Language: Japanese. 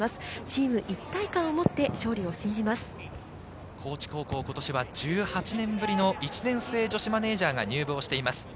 チーム、一体感を持って勝利を信高知高校、今年は１８年ぶりの１年生女子マネジャーが入部しています。